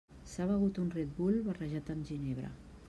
S'ha begut un Red Bull barrejat amb ginebra.